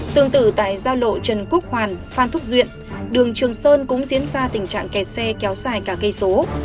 tương tự tại giao lộ trần quốc hoàn phan thúc duyện đường trường sơn cũng diễn ra tình trạng kẹt xe kéo dài cả cây số